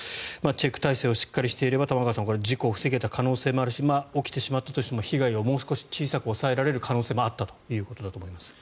チェック体制をしっかりしていれば事故を防げた可能性もあるし起きてしまったとしても被害をもう少し小さく抑えられることもあったということだと思います。